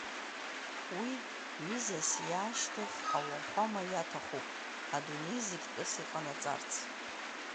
Уи, ҩызас иаашьҭых ауахәама, иаҭахуп адунеи зегь тәыс иҟанаҵарц.